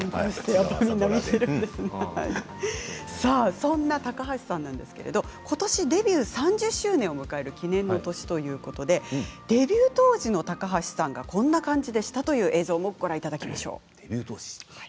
その高橋さんですけど今年デビュー３０周年を迎える記念の年ということでデビュー当時の高橋さんがこんな感じでしたという映像もご覧いただきましょう。